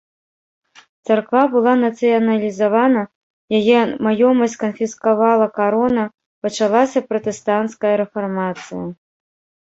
Царква была нацыяналізавана, яе маёмасць канфіскавала карона, пачалася пратэстанцкая рэфармацыя.